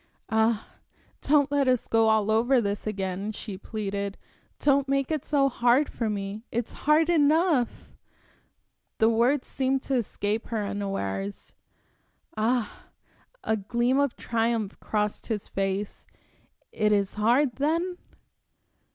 "Ah, don't let us go all over this again," she pleaded. "Don't make it so hard for me. It's hard enough" The words seemed to escape her unawares. "Ah!" A gleam of triumph crossed his face. "It is hard, then?"